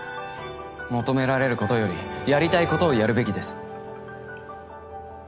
求められることよりやりたいことをやるべきです。